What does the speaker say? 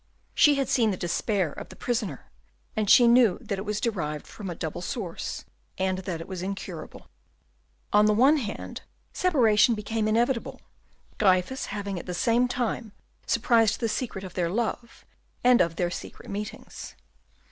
She had seen the despair of the prisoner, and she knew that it was derived from a double source, and that it was incurable. On the one hand, separation became inevitable, Gryphus having at the same time surprised the secret of their love and of their secret meetings.